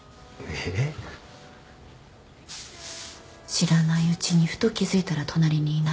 知らないうちにふと気付いたら隣にいない。